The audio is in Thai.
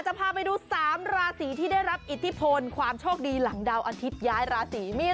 พาไปดู๓ราศีที่ได้รับอิทธิพลความโชคดีหลังดาวอาทิตย้ายราศีมี